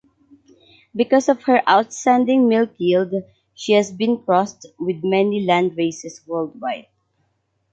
Because of her outstanding milk yield, she has been crossed with many landraces worldwide.